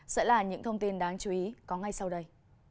sẽ là những thông tin đáng chú ý có ngay sau đây